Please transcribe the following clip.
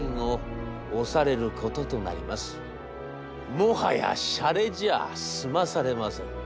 もはやシャレじゃあ済まされません。